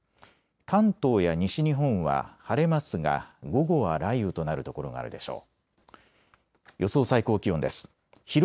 関東や西日本は晴れますが午後は雷雨となる所があるでしょう。